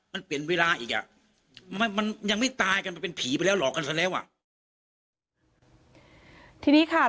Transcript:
มันเปลี่ยนเวลาอีกยังไม่ตายกันมาเป็นผีรอกันเสียแล้ว